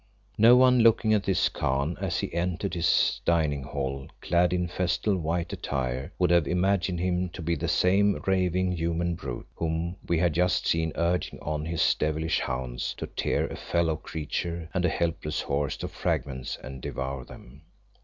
No one looking at this Khan as he entered his dining hall clad in festal white attire would have imagined him to be the same raving human brute whom we had just seen urging on his devilish hounds to tear a fellow creature and a helpless horse to fragments and devour them.